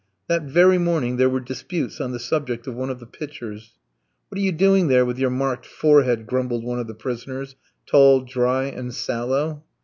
That very morning there were disputes on the subject of one of the pitchers. "What are you doing there with your marked forehead?" grumbled one of the prisoners, tall, dry, and sallow.